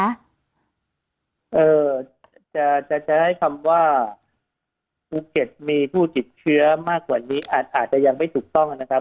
จะจะใช้คำว่าภูเก็ตมีผู้ติดเชื้อมากกว่านี้อาจจะยังไม่ถูกต้องนะครับ